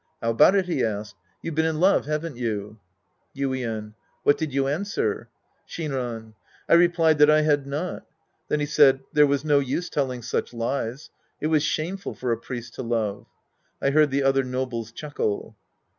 " How about it ?" he asked. " You've been in love/ haven't you ?" Yuien. What did you answer ? Shinran. I replied.that I had not. Then he said there was no use telling such lies. It was shameful for a priest to love. I heard the other nobles chuckle.